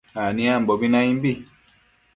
aniambobi naimbi